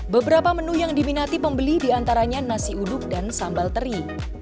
beberapa menu yang diminati pembeli diantaranya nasi uduk dan sambal teri